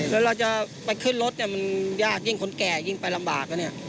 แล้วเราจะไปขึ้นรถมันยากยิ่งคนแก่ยิ่งไปลำบาก